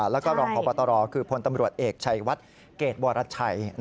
และก็รพบพตเอกชายวัดเกจบัวรัชชัย